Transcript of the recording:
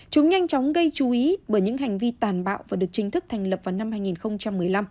chúng nhanh chóng gây chú ý bởi những hành vi tàn bạo và được chính thức thành lập vào năm hai nghìn một mươi năm